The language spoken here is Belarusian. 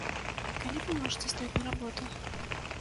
Калі вы можаце стаць на работу?